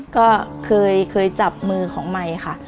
ก็เคยจับมือของไมค์ค่ะ